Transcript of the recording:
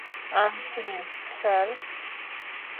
আনছি, স্যার।